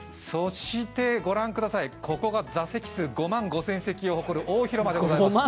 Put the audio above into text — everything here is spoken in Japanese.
御覧ください、ここが座席数５万５００席を誇る大広間でございます。